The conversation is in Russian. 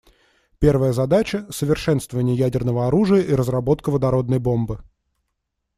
Первая задача — совершенствование ядерного оружия и разработка водородной бомбы.